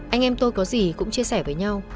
anh em tôi có gì cũng chia sẻ với nhau